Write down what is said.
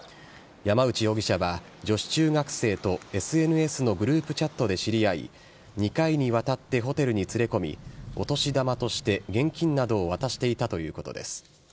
山内容疑者は女子中学生とＳＮＳのグループチャットで知り合い、２回にわたってホテルに連れ込み、お年玉として現金などを渡していたということです。